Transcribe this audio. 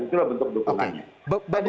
itulah bentuk dukungannya